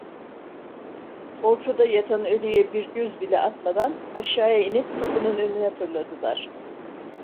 Ortada yatan ölüye bir göz bile atmadan aşağıya inip kapının önüne fırladılar.